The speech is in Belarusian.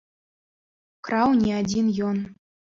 Краў не адзін ён.